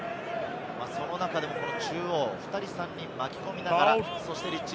その中でも中央、２人、３人、巻き込みながら。